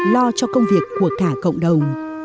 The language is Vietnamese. lo cho công việc của cả cộng đồng